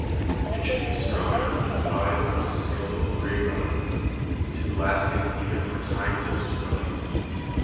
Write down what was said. It should be strong enough to defy the most skilful grave robber, too lasting even for time to destroy.